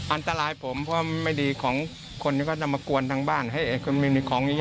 อันตรายผมเพราะว่าไม่ดีของคนนี้ก็จะมากวนทั้งบ้านให้คนมีของอย่างเงี้ยเลย